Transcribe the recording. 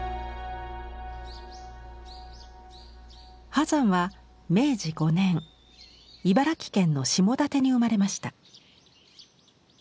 波山は明治５年茨城県の下館に生まれました。